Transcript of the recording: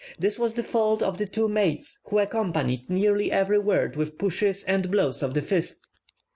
This was the fault of the two mates, who accompanied nearly every word with pushes and blows of the fist.